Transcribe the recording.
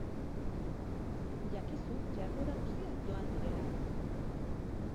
Jakizu jarduera guztiak doan direla.